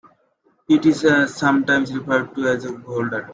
It is sometimes referred to as a howler.